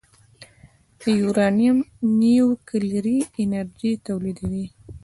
د یورانیم نیوکلیري انرژي تولیدوي.